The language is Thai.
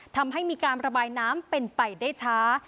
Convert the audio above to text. ทำให้มีการระบายน้ำเป็นไปได้ช้า